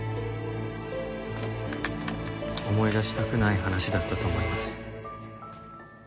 思い出したくない話だったと思います。